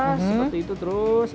seperti itu terus